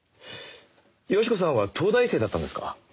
好子さんは東大生だったんですか？